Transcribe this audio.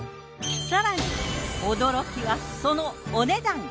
更に驚きはそのお値段！